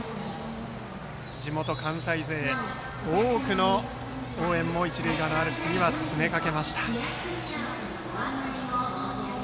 地元・関西勢多くの応援も一塁側のアルプスに詰め掛けました。